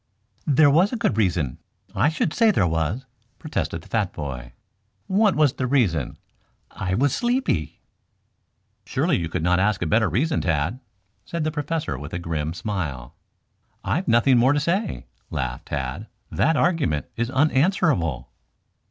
"There was good reason. I should say there was," protested the fat boy. "What was the reason?" "I was sleepy." "Surely, you could not ask a better reason, Tad," said the Professor with a grim smile. "I've nothing more to say?" laughed Tad. "That argument is unanswerable."